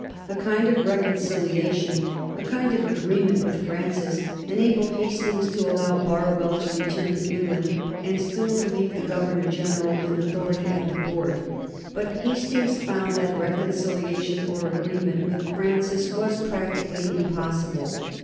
A kind of reconciliation, a kind of agreement with Francis, enabled Hastings to allow Barwell to return to England and still to leave the Governor General in authority at the Board. But Hastings found that reconciliation or agreement with Francis was practically impossible.